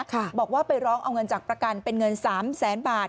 บอกว่าไปร้องเอาเงินจากประกันเป็นเงินสามแสนบาท